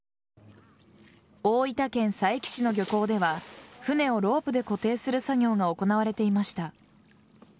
大分県佐伯市の漁港では船をロープで固定する作業が行われていました。